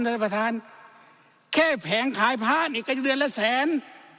ท่านประธานแค่แผงขายพาร์ทนี่ก็เดือนละแสน